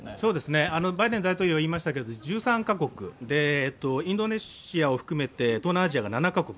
バイデン大統領言ましたけれど、１３カ国インドネシアを含めて東南アジアが７カ国。